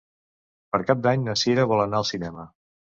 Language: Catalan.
Per Cap d'Any na Sira vol anar al cinema.